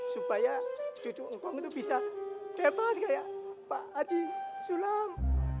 supaya cucu engkong itu bisa bebas kaya pak wajih sulam